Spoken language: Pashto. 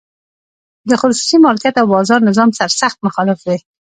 د خصوصي مالکیت او بازار نظام سرسخت مخالف دی.